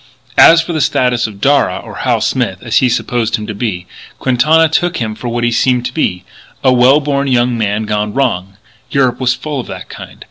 As for the status of Darragh or Hal Smith, as he supposed him to be Quintana took him for what he seemed to be, a well born young man gone wrong. Europe was full of that kind.